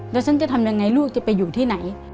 แล้วฉันจะทำยังไงลูกจะไปอยู่ที่ไหน